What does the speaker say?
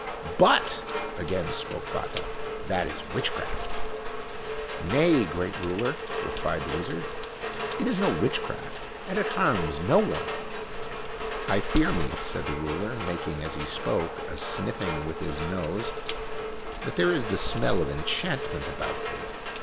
" But," again spoke Batta, "that is witchcraft." " Nay, great ruler," replied the wizard, " it is no witchcraft, and it harms no one." " I fear me," said the ruler, making as he spoke a sniffing' with his nose, "that there is the smell of enchantment about thee."